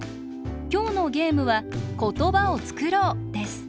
きょうのゲームは「ことばをつくろう」です。